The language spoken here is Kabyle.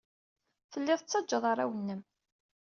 Telliḍ tettajjaḍ arraw-nnem.